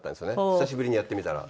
久しぶりにやってみたら。